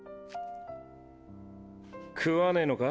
食わねぇのか？